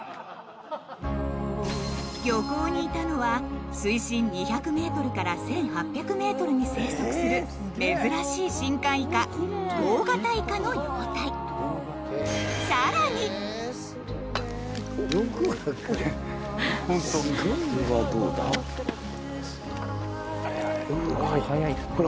漁港にいたのは水深２００ｍから１８００ｍに生息する珍しい深海イカ「トウガタイカ」の幼体へぇすごいねよく分かるすごいねほら